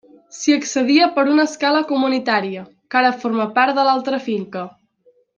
S'hi accedia per una escala comunitària, que ara forma part de l'altra finca.